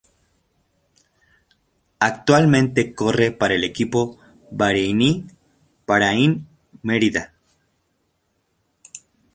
Actualmente corre para el equipo bareiní Bahrain Merida.